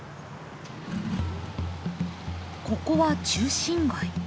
ここは中心街。